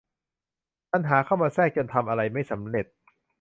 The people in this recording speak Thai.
ปัญหาเข้ามาแทรกจนทำอะไรไม่สำเร็จ